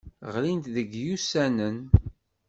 Ɣlint deg yisunan.